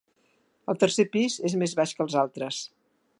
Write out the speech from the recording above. El tercer pis és més baix que els altres.